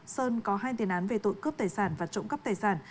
sơn có hai tiền án về tội cướp tài sản và trộm cắp tài sản